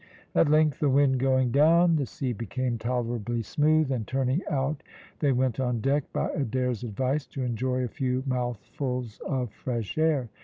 At length, the wind going down, the sea became tolerably smooth, and turning out, they went on deck by Adair's advice to enjoy a few mouthfuls of fresh air.